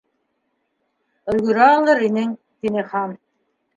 —Өлгөрә алыр инең, —тине Хан.